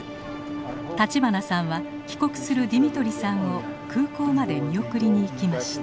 立花さんは帰国するディミトリさんを空港まで見送りに行きました。